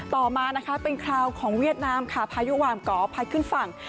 ต่อมานะคะเป็นคราวของเวียดนามค่ะพายุหวามก่อพัดขึ้นฝั่ง